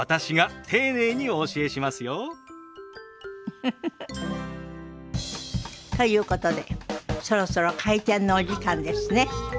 ウフフフ。ということでそろそろ開店のお時間ですね。